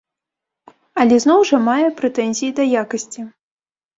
Але зноў жа, мае прэтэнзіі да якасці.